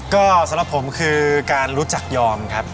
ก็สำหรับผมคือการรู้จักยอมครับ